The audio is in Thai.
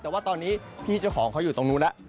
แต่ว่าตอนนี้พี่เจ้าของเขาอยู่ตรงนู้นแล้ว